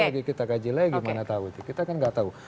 ini lagi kita kaji lagi gimana tahu kita kan gak tahu